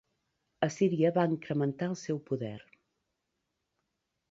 Assíria va incrementant el seu poder.